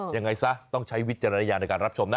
ยังไงซะต้องใช้วิจารณญาณในการรับชมนะ